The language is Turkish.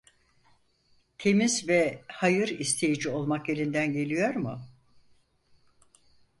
Temiz ve hayır isteyici olmak elinden geliyor mu?